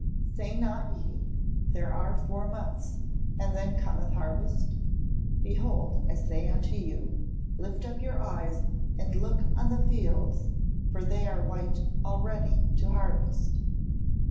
[Verse: "Say not ye, There are four months, and then cometh harvest? behold, I say unto you, Lift up your eyes, and look on the fields; for they are white already to harvest."